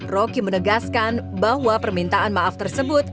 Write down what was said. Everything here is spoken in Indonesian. rocky menegaskan bahwa permintaan maaf tersebut